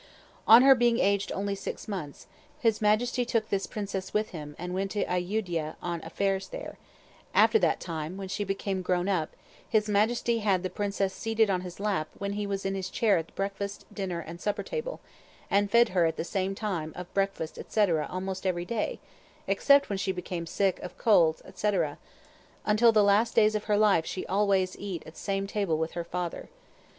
"On her being only aged six months, his Majesty took this Princess with him and went to Ayudia on affairs there; after that time when she became grown up His Majesty had the princess seated on his lap when he was in his chair at the breakfast, dinner & supper table, and fed her at the same time of breakfast &c, almost every day, except when she became sick of colds &c. until the last days of her life she always eat at same table with her father.